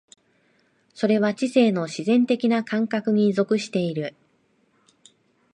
それは知性の自然的な感覚に属している。